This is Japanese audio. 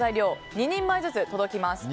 ２人前ずつ届きます。